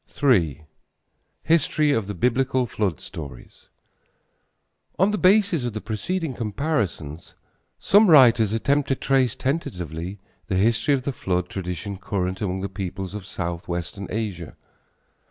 III. HISTORY OF THE BIBLICAL FLOOD STORIES. On the basis of the preceding comparisons some writers attempt to trace tentatively the history of the flood tradition current among the peoples of southwestern Asia.